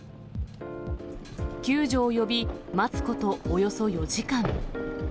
救助を呼び、待つことおよそ４時間。